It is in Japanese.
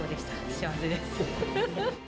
幸せです。